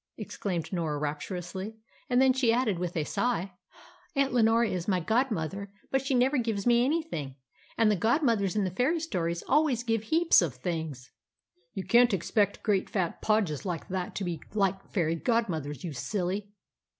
exclaimed Norah rapturously; then she added with a sigh "Aunt Leonora is my godmother, but she never gives me anything, and the godmothers in the fairy stories always give heaps of things." "You can't expect great fat podges like that to be like fairy godmothers, you silly!"